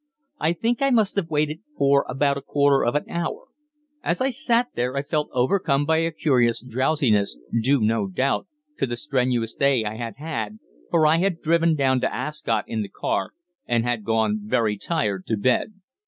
I think I must have waited for about a quarter of an hour. As I sat there, I felt overcome by a curious drowsiness, due, no doubt, to the strenuous day I had had, for I had driven down to Ascot in the car, and had gone very tired to bed.